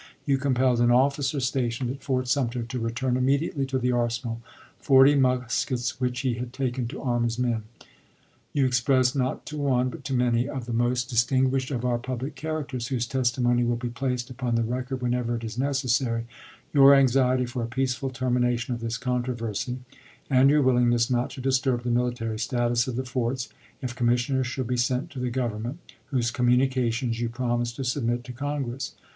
You compelled an officer THE CABINET EEGIME 85 stationed at Fort Sumter to return immediately to the Arsenal forty muskets which he had taken to arm his men. You expressed, not to one but to many of the most dis tinguished of our public characters, whose testimony will be placed upon the record whenever it is necessary, your anxiety for a peaceful termination of this controversy, and your willingness not to disturb the military status of the forts, if commissioners should be sent to the Govern ment, whose communications you promised to submit to Congress.